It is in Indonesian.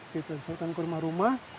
disalurkan ke rumah rumah